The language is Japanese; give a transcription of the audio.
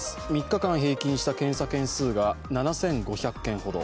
３日間平均した検査件数が７５００件ほど。